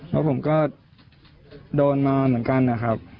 แล้วผมก็โดนมาเหมือนกันนะครับ